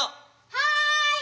はい！